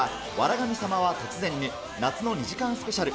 神様は突然に夏の２時間スペシャル。